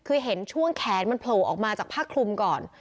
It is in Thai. คือเห็นช่วงแขนมันโผล่ออกมาจากผ้าคลุมก่อน